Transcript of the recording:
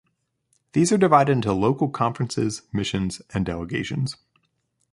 These are divided into Local Conferences, Missions, and Delegations.